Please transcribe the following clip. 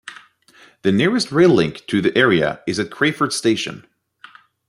The nearest rail link to the area is at Crayford station.